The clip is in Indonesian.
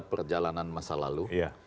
perjalanan masa lalu